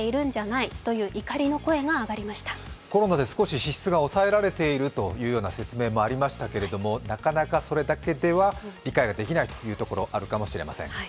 コロナが少し支出が抑えられているという説明がありましたがなかなかそれだけでは理解ができないというところあるかもしれません。